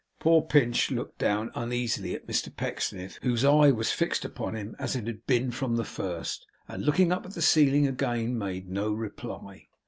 Poor Pinch looked down uneasily at Mr Pecksniff, whose eye was fixed upon him as it had been from the first; and looking up at the ceiling again, made no reply.